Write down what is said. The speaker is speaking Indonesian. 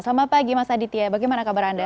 selamat pagi mas aditya bagaimana kabar anda